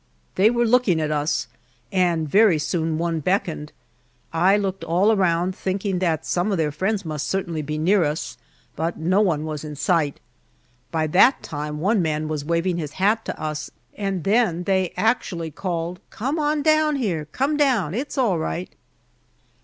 They were looking at us, and very soon one beckoned. I looked all around, thinking that some of their friends must certainly be near us, but no one was in sight. By that time one man was waving his hat to us, and then they actually called, "Come on down here come down, it is all right!"